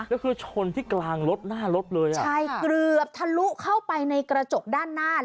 แล้วคือชนที่กลางรถหน้ารถเลยอ่ะใช่เกือบทะลุเข้าไปในกระจกด้านหน้า